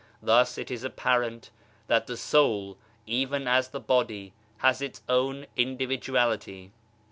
Thus, it is apparent that the soul, even as the body, has its own individuality.